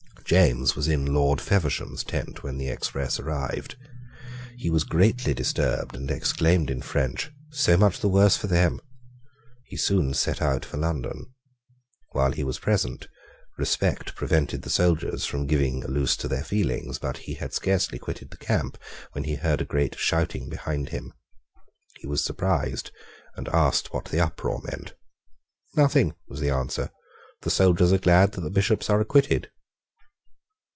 James was in Lord Feversham's tent when the express arrived. He was greatly disturbed, and exclaimed in French, "So much the worse for them." He soon set out for London. While he was present, respect prevented the soldiers from giving a loose to their feelings; but he had scarcely quitted the camp when he heard a great shouting behind him. He was surprised, and asked what that uproar meant. "Nothing," was the answer: "the soldiers are glad that the Bishops are acquitted."